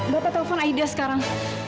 bapak telfon aida sekarang